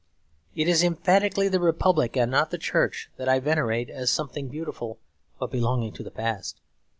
It is emphatically the Republic and not the Church that I venerate as something beautiful but belonging to the past.